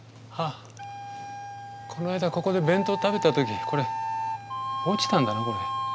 この間ここで弁当食べた時これ落ちたんだなこれ。